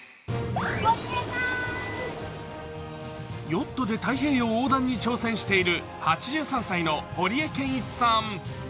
ヨットで太平洋横断に挑戦している８３歳の堀江謙一さん。